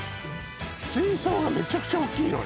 水槽がめちゃくちゃおっきいのね